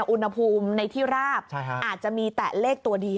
อุณหภูมิในที่ราบอาจจะมีแต่เลขตัวเดียว